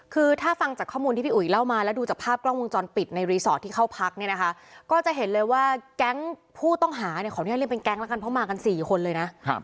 คือถ้าฟังจากข้อมูลที่พี่อุ๋ยเล่ามาแล้วดูจากภาพกล้องวงจรปิดในรีสอร์ทที่เข้าพักเนี่ยนะคะก็จะเห็นเลยว่าแก๊งผู้ต้องหาเนี่ยขออนุญาตเรียกเป็นแก๊งแล้วกันเพราะมากัน๔คนเลยนะ